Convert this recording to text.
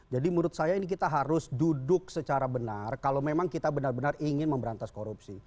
jadi menurut saya ini kita harus duduk secara benar kalau memang kita benar benar ingin memberantas korupsi